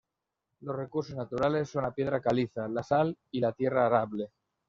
Los recursos naturales son la piedra caliza, la sal y la tierra arable.